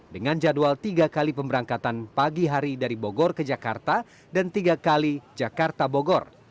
dengan jadwal tiga kali pemberangkatan pagi hari dari bogor ke jakarta dan tiga kali jakarta bogor